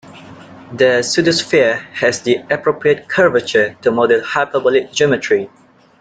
The pseudosphere has the appropriate curvature to model hyperbolic geometry.